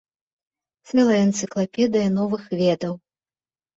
Цэлая энцыклапедыя новых ведаў.